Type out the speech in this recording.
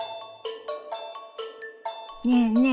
ねえねえ